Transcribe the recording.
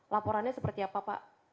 laporannya seperti apa pak